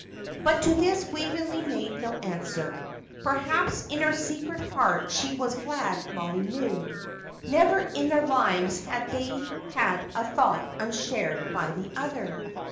But to this Waveney made no answer. Perhaps in her secret heart she was glad Mollie knew. Never in their lives had they had a thought unshared by the other.